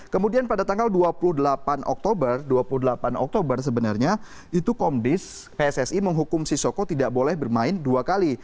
kemudian pada tanggal dua puluh delapan oktober dua puluh delapan oktober sebenarnya itu komdis pssi menghukum sisoko tidak boleh bermain dua kali